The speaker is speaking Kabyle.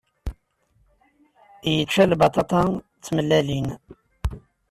Yečča lbaṭaṭa d tmellalin.